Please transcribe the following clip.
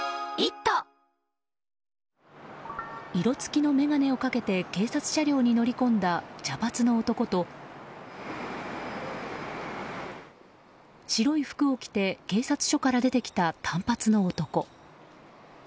色付きの眼鏡をかけて警察車両に乗り込んだ茶髪の男と、白い服を着て警察署から出てきた短髪の男。